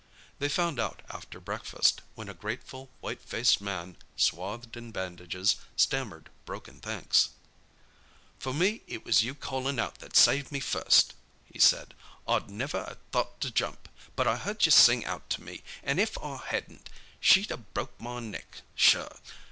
They found out after breakfast, when a grateful, white faced man, swathed in bandages, stammered broken thanks. "For it was you callin' out that saved me first," he said. "I'd never 'a thought to jump, but I heard you sing out to me, an' if I hadn't she'd a broke my neck, sure.